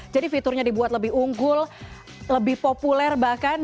jadi fiturnya dibuat lebih unggul lebih populer bahkan